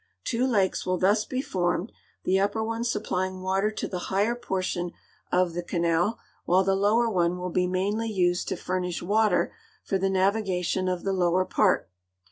Two lakes will thus be formed, the upper one siijiplying water to the higher portion of the canal, while the lower one will be mainly usc<l to furnish water for the navigation of the lower j)art.